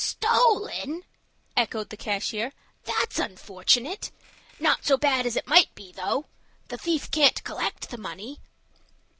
"Stolen!" echoed the cashier. "That's unfortunate. Not so bad as it might be, though. The thief can't collect the money."